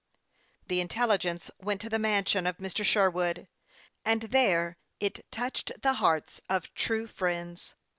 The intelligence went to the mansion of Mr. Sher wood, and there it touched the hearts of true friends.